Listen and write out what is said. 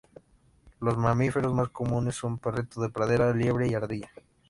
Los mamíferos más comunes son: Perrito de pradera, Liebre y Ardilla.